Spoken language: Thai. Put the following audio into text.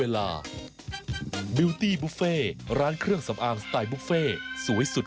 ท่านผู้ชมที่อยู่ในกระแสของโซเชียล